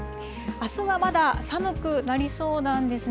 あすはまだ寒くなりそうなんですね。